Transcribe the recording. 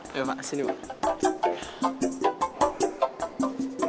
ya pak sini pak